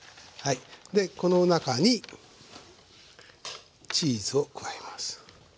でこの中にチーズを加えます。